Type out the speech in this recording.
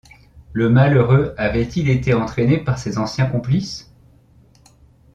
Le malheureux avait-il été entraîné par ses anciens complices